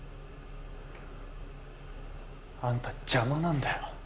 あんた邪魔なんだよ。